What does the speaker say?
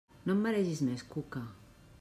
No em maregis més, Cuca!